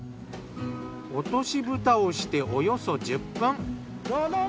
落とし蓋をしておよそ１０分。